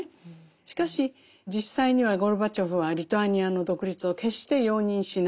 しかし実際にはゴルバチョフはリトアニアの独立を決して容認しない。